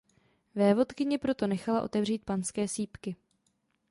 Vévodkyně proto nechala otevřít panské sýpky.